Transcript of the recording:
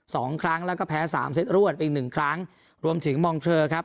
สองครั้งแล้วก็แพ้สามเซตรวดเป็นหนึ่งครั้งรวมถึงครับ